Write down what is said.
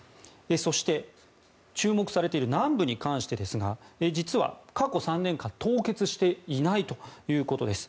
そして、注目されている南部に関してですが実は、過去３年間凍結していないということです。